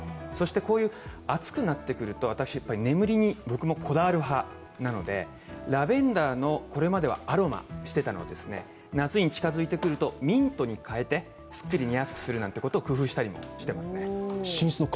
こう暑くなってくると、眠りに僕もこだわる派なので、これまではラベンダーのアロマをしていたのを夏に近づいてくるとミントに変えて、すっきり寝やすくするということも工夫したりもしてますね。